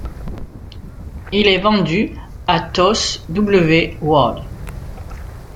Il est vendu à Thos W Ward.